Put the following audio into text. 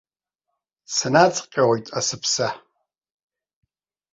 Снаҵҟьоит асыԥса.